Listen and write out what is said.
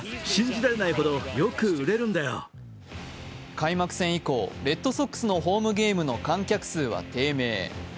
開幕戦以降、レッドソックスのホームゲームの観客数は低迷。